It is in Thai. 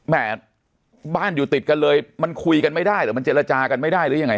แม่บ้านอยู่ติดกันเลยมันคุยกันไม่ได้หรือมันเจรจากันไม่ได้หรือยังไง